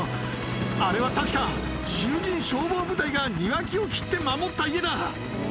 あれは確か、囚人消防部隊が庭木を切って守った家だ。